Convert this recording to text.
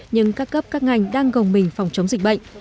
nhưng các cấp các ngành đang gồng mình phòng chống dịch bệnh